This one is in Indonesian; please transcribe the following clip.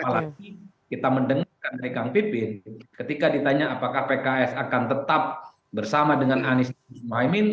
malah kita mendengarkan dari kang pipit ketika ditanya apakah pks akan tetap bersama dengan anies baswedan dan guru mohamad nihkandar